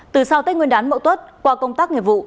từ sau tết nguyên đán mậu tuất qua công tác nghiệp vụ